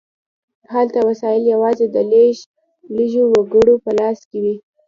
هلته وسایل یوازې د لږو وګړو په لاس کې وي.